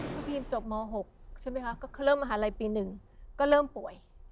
คุณพีชจบม๖ใช่มั้ยคะก็เริ่มมหาลัยปี๑ก็เริ่มป่วย